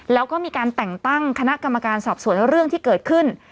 แล้วก็มีการแต่งตั้งคณะกรรมการสอบสวนเรื่องที่เกิดขึ้น